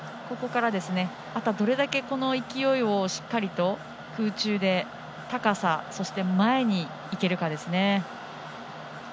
あとはどれだけこの勢いをしっかりと空中で高さそして前にいけるかですね。